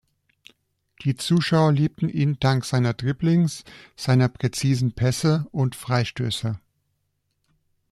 Die Zuschauer liebten ihn dank seiner Dribblings, seiner präzisen Pässe und Freistöße.